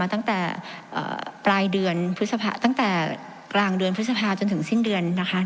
ตั้งแต่ปลายเดือนพฤษภาตั้งแต่กลางเดือนพฤษภาจนถึงสิ้นเดือนนะคะ